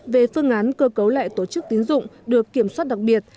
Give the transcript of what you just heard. về phương án cơ cấu lại tổ chức tín dụng được kiểm soát đặc biệt